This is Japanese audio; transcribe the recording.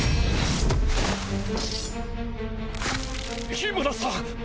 緋村さん！